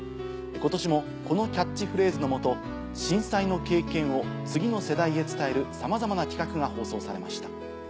今年もこのキャッチフレーズのもと震災の経験を次の世代へ伝えるさまざまな企画が放送されました。